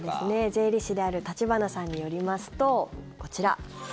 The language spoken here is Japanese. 税理士である橘さんによりますと、こちら。